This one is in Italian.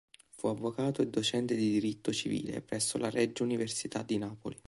Fu avvocato e docente di diritto civile presso la Regia Università di Napoli.